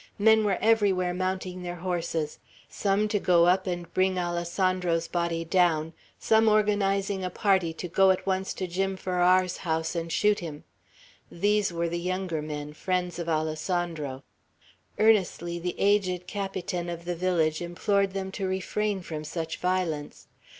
Men were everywhere mounting their horses, some to go up and bring Alessandro's body down; some organizing a party to go at once to Jim Farrar's house and shoot him: these were the younger men, friends of Alessandro. Earnestly the aged Capitan of the village implored them to refrain from such violence.